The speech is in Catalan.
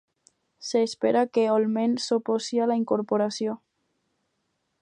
S'espera que Holmen s'oposi a la incorporació.